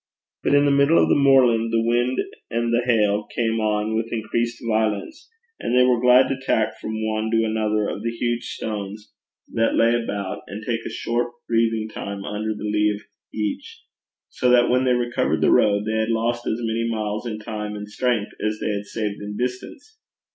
But in the middle of the moorland the wind and the hail came on with increased violence, and they were glad to tack from one to another of the huge stones that lay about, and take a short breathing time under the lee of each; so that when they recovered the road, they had lost as many miles in time and strength as they had saved in distance.